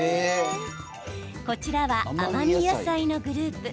こちらは甘み野菜のグループ。